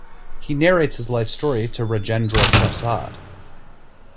He narrates his life story to Rajendra Prasad.